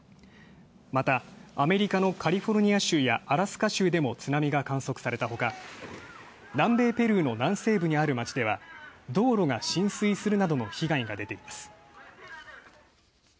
また、アメリカのカリフォルニア州やアラスカ州でも、津波が観測されたほか南米ペルーの南西部にある街では道路が浸水するなどの被害が出ています。